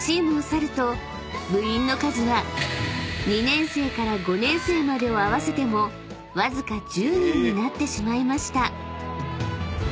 ［部員の数が２年生から５年生までを合わせてもわずか１０人になってしまいました］